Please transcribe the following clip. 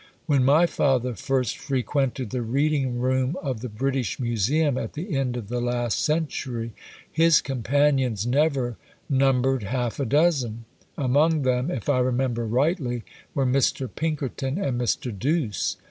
When my father first frequented the reading room of the British Museum at the end of the last century, his companions never numbered half a dozen; among them, if I remember rightly, were Mr. Pinkerton and Mr. Douce.